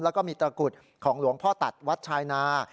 แล้วก็มีตระกุดของหลวงพ่อตัดวัดชายนา